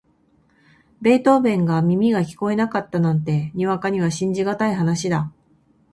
ベートーヴェンが耳が聞こえなかったなんて、にわかには信じがたい話だ。